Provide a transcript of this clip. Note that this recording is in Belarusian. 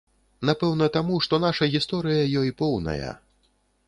Напэўна, таму, што наша гісторыя ёй поўная.